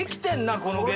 このゲーム。